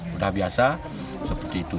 sudah biasa seperti itu